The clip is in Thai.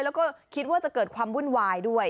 แล้วก็คิดว่าจะเกิดความวุ่นวายด้วย